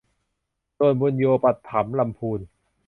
ส่วนบุญโญปถัมภ์ลำพูน